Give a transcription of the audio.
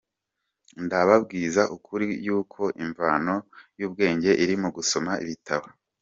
Ndababwiza ukuri yuko imvano y’ubwenge iri mu gusoma ibitabo.